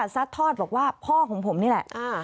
ซัดทอดบอกว่าพ่อของผมนี่แหละ